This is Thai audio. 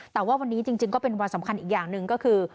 แต่ว่าวันนี้จริงก็เป็นวันสำคัญอีกอย่างหนึ่งก็คือ